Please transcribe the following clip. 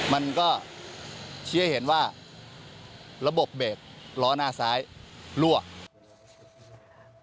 มันก็เชื่อเห็นว่าระบบเบรกล้อหน้าซ้ายลวง